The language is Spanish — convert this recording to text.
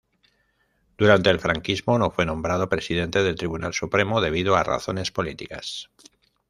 Durante el franquismo no fue nombrado Presidente del Tribunal Supremo debido a razones políticas.